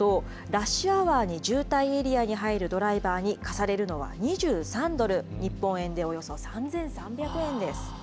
ラッシュアワーに渋滞エリアに入るドライバーに課されるのは２３ドル、日本円でおよそ３３００円です。